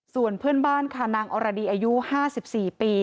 ส่วนเพื่อนบ้านค่ะนางอรดีอายุ๕๔ปี